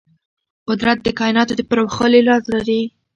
قدرت د کایناتو د پراخوالي راز لري.